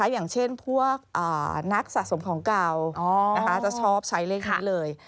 อย่างเช่นพวกนักสะสมของเก่าจะชอบใช้เลขนี้เลย